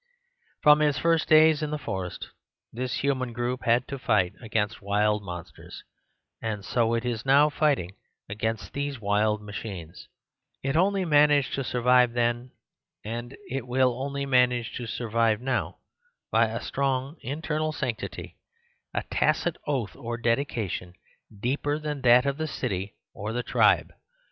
From its first days in the forest this human group had to fight against wild monsters; and so it is now fighting against these wild ma chines. It. only managed to survive then, and it will only manage to survive now, by a 80 The Superstition of Divorce strong internal sanctity; a tacit oath or dedi cation deeper than that of the city or the tribe.